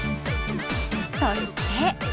そして。